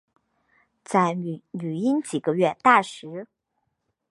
在女婴几个月大时